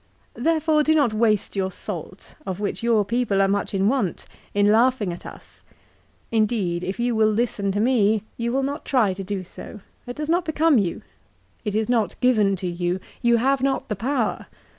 "Therefore do not waste your salt, of which your people are much in want, in laughing at us. Indeed, if you will listen to me, you will not try to do so. It does not become you. It is not given to you. You have not the power.